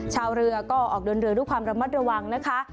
ชาวเรือก็ออกเดินเรือด้วยความระมัดระวังนะคะ